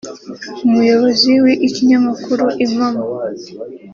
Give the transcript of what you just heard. Umuyobozi w’ikinyamakuru Impamo